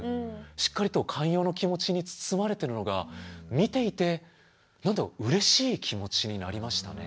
しっかりと寛容の気持ちに包まれてるのが見ていてうれしい気持ちになりましたね。